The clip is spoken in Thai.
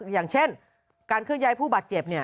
อย่างเช่นการเครื่องใยผู้บาดเจ็บเนี่ย